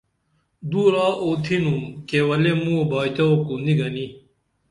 دُورا اُتِھنُم کیولے موں بائتو کُو نی گنی